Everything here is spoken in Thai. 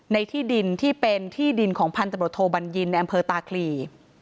ในที่ดินที่เป็นที่ดินของพันธบทโทบัญญินในอำเภอตาคลี